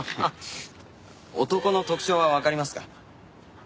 男の特徴はわかりますか？